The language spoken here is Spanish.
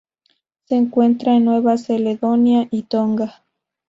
Se encuentran en Nueva Caledonia y Tonga.